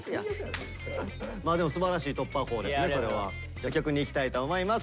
じゃ曲にいきたいと思います。